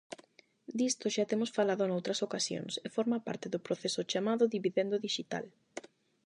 Disto xa temos falado noutras ocasións e forma parte do proceso chamado dividendo dixital.